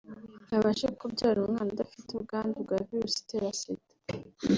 abashe kubyara umwana udafite ubwandu bwa virusi itera Sida